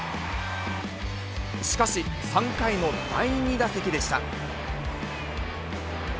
しかし、３回の第２打席でした。